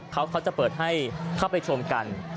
เขาจะเปิดให้เข้าไปชมกัน